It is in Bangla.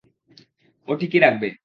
ও ঠিকই রাখবে।